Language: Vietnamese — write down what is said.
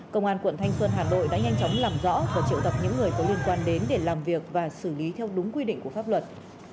công an quận thanh xuân hà nội đã nhanh chóng làm rõ và triệu tập những người có liên quan đến để làm việc và xử lý theo đúng quy định của pháp luật